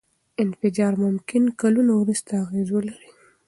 انفجار ممکن کلونه وروسته اغېز ولري.